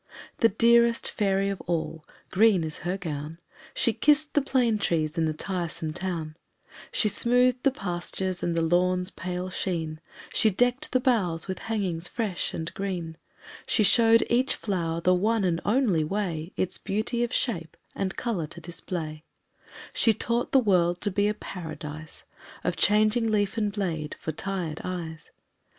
The dearest fairy of all green is her gown She kissed the plane trees in the tiresome town, She smoothed the pastures and the lawn's pale sheen, She decked the boughs with hangings fresh and green, She showed each flower the one and only way Its beauty of shape and colour to display; She taught the world to be a Paradise Of changing leaf and blade, for tired eyes.